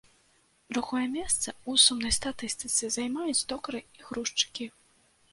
Другое месца ў сумнай статыстыцы займаюць токары і грузчыкі.